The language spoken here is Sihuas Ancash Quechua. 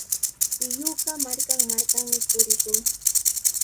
Tiyuuqa markan-markanmi purikun.